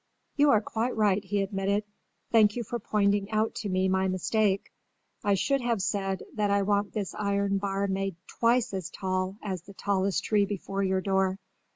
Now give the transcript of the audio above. "You are quite right," he admitted. "Thank you for pointing out to me my mistake. I should have said that I want this iron bar made twice as tall as the tallest tree before your door.